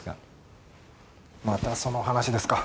またその話ですか。